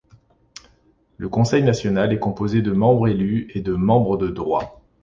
Le Conseil national est composé de membres élus et de membres de droits.